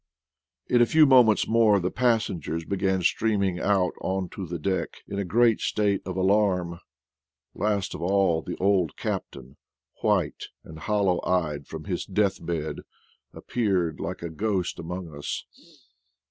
In a few moments more the passengers began streaming out on to the deck in a great state of alarm; last of all the old captain, white and hollow eyed from his death bed, appeared like a ghost among us.